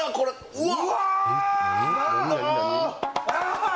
うわ！